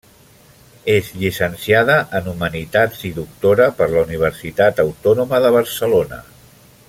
És llicenciada en humanitats i doctora per la Universitat Autònoma de Barcelona.